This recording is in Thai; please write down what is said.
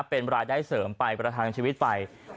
เป็นรายได้เสริมไปประทังชีวิตไป